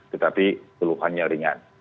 tetapi peluhannya ringan